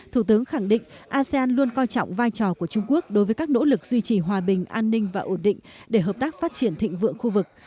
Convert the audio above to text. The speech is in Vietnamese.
thủ tướng khẳng định asean luôn coi trọng vai trò của trung quốc đối với các nỗ lực duy trì hòa bình an ninh và ổn định để hợp tác phát triển thịnh vượng khu vực